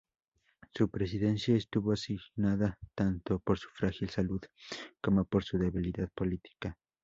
Su presidencia estuvo signada tanto por su frágil salud como por su debilidad política.